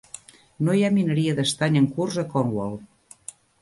No hi ha mineria d'estany en curs a Cornwall.